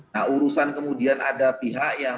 nah urusan kemudian ada pihak yang